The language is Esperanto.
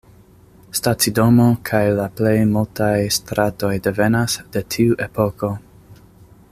Stacidomo kaj la plej multaj stratoj devenas de tiu epoko.